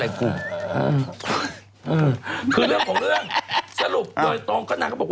เรื่องของเรื่อง